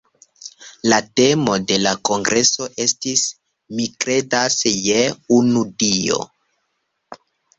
La temo de la kongreso estis "Mi kredas je unu Dio".